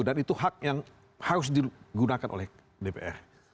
dan itu hak yang harus digunakan oleh dpr